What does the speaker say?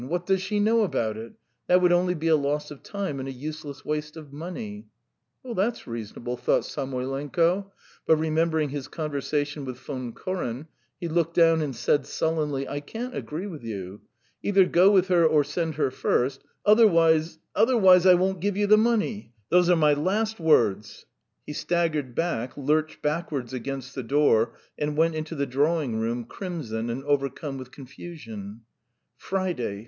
What does she know about it? That would only be a loss of time and a useless waste of money." "That's reasonable ..." thought Samoylenko, but remembering his conversation with Von Koren, he looked down and said sullenly: "I can't agree with you. Either go with her or send her first; otherwise ... otherwise I won't give you the money. Those are my last words. .." He staggered back, lurched backwards against the door, and went into the drawing room, crimson, and overcome with confusion. "Friday